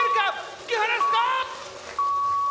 突き放すか！